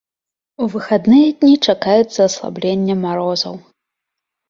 У выхадныя дні чакаецца аслабленне маразоў.